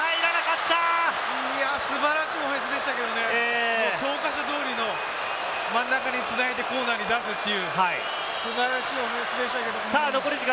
素晴らしいオフェンスでしたけれどもね、教科書通りの真ん中につないでコーナーに出すという素晴らしいオフェンスでしたけれども。